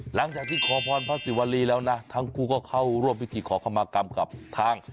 หลังจากที่ขอพรพระศิวรีแล้วนะทั้งคู่ก็เข้าร่วมพิธีขอคำมากรรมกับทาง